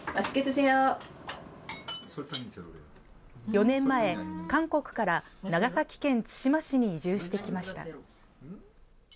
４年前、韓国から長崎県対馬市に移住してきました。